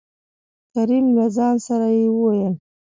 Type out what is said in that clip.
کريم : له ځان سره يې ووېل: